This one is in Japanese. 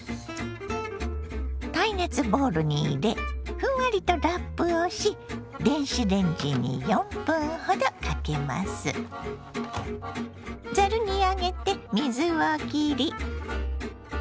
耐熱ボウルに入れふんわりとラップをし電子レンジにざるに上げて水をきり。